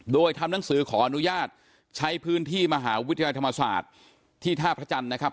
โดยทำหนังสือขออนุญาตใช้พื้นที่มหาวิทยาลัยธรรมศาสตร์ที่ท่าพระจันทร์นะครับ